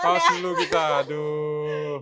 kau selu kita aduh